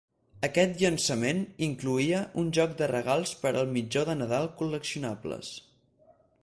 Aquest llançament incloïa un joc de regals per al mitjó de nadal col·leccionables.